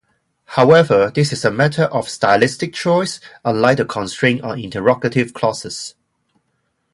However, this is a matter of stylistic choice, unlike the constraint on interrogative clauses.